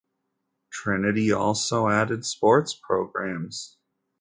Trinity also added sports programs.